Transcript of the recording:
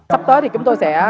sắp tới thì chúng tôi sẽ